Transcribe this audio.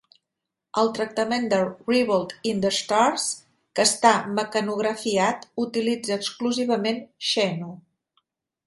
El tractament de "Revolt in the Stars" -que està mecanografiat- utilitza exclusivament "Xenu".